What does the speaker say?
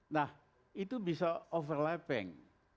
nah itu bisa overlapping